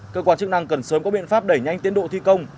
cơ quan chức năng cần sớm có biện pháp đẩy nhanh tiến độ thi công